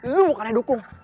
lo bukannya dukung